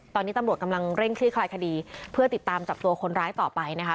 ตอนนี้ตำรวจกำลังเร่งคลี่คลายคดีเพื่อติดตามจับตัวคนร้ายต่อไปนะคะ